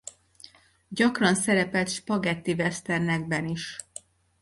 Gyakran szerepelt spagettiwesternekben is.